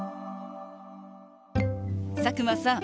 佐久間さん